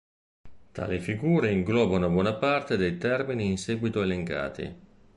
Tali figure inglobano buona parte dei termini in seguito elencati.